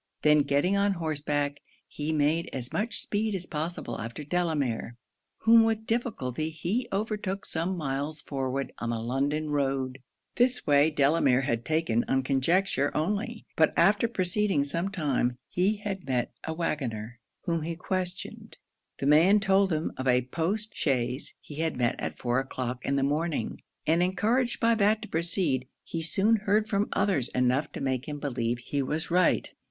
Then getting on horseback, he made as much speed as possible after Delamere; whom with difficulty he overtook some miles forward on the London road. This way Delamere had taken on conjecture only; but after proceeding some time, he had met a waggoner, whom he questioned. The man told him of a post chaise he had met at four o'clock in the morning; and encouraged by that to proceed, he soon heard from others enough to make him believe he was right.